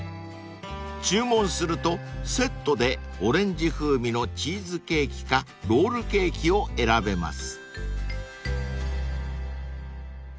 ［注文するとセットでオレンジ風味のチーズケーキかロールケーキを選べます］